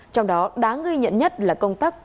trong đó đáng ghi nhận nhất là công tác